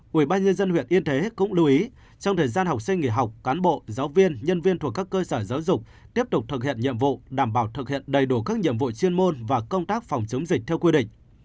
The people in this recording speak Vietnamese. quỹ ban nhân dân huyện yên thế cũng lưu ý trong thời gian học sinh nghỉ học cán bộ giáo viên nhân viên thuộc các cơ sở giáo dục tiếp tục thực hiện nhiệm vụ đảm bảo thực hiện đầy đủ các nhiệm vụ chuyên môn và công tác phòng chống dịch theo quy định